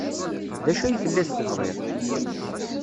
D acu ay telliḍ tebɣiḍ?